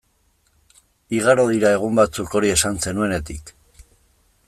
Igaro dira egun batzuk hori esan zenuenetik.